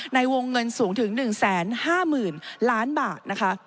ในวงเงินสูงถึง๑๕๐๐๐๐บาท